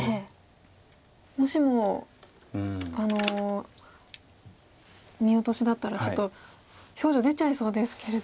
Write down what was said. もしも見落としだったらちょっと表情出ちゃいそうですけれども。